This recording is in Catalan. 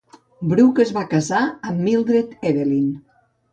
Brook es va casar amb Mildred Evelyn.